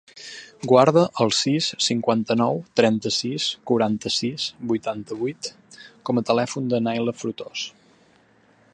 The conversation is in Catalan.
Guarda el sis, cinquanta-nou, trenta-sis, quaranta-sis, vuitanta-vuit com a telèfon de la Nayla Frutos.